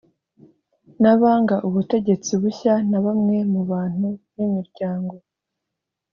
n abanga ubutegetsi bushya na bamwe mu bantu n imiryango